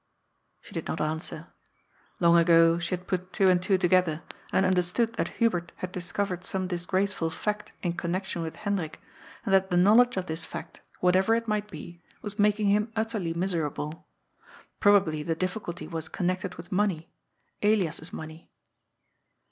She did not answer. Long ago she had put two and two together, and understood that Hubert had discovered some disgraceful fact in connection with Hendrik, and that the knowledge of this fact, whatever it might be, was mak ing him utterly miserable. Probably the difficulty was con nected with money, Elias's money.